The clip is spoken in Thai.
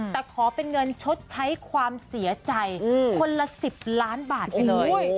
แต่ขอเป็นเงินชดใช้ความเสียใจคนละ๑๐ล้านบาทไปเลย